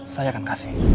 saya akan kasih